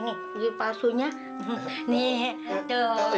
gigi palsunya nih tuh